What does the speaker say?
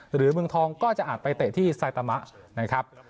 หรือเมืองทองก็จะอาจไปเตะที่ไซตามะนะครับ